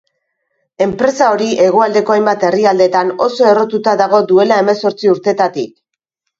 Enpresa hori hegoaldeko hainbat herrialdetan oso errotuta dago duela hemezortzi urtetatik.